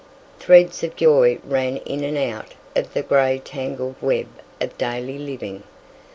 Threads of joy ran in and out of the gray tangled web of daily living.